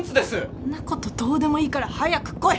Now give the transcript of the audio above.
そんなことどうでもいいから早く来い！